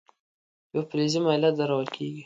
یوه فلزي میله درول کیږي.